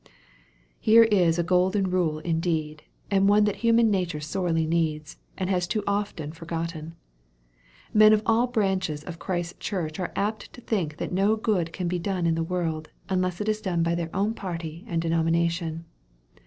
Here is a golden rule indeed, and one that human nature sorely needs, and has too often forgotten. Men of all branches of Christ's Church are apt to think that no good can be done in the world, unless it is done by their own party and denomination.